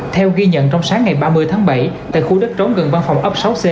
theo ghi nhận trong sáng ngày ba mươi tháng bảy tại khu đất trống gần văn phòng ấp sáu c